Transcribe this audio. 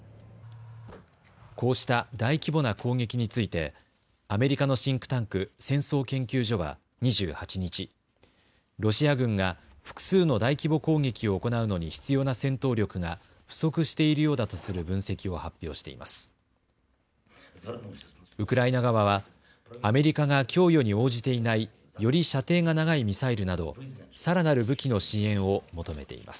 こうした大規模な攻撃についてアメリカのシンクタンク、戦争研究所は２８日、ロシア軍が複数の大規模攻撃を行うのに必要な戦闘力が不足しているようだとする分析を発表しています。